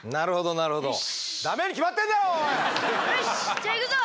じゃあ行くぞ！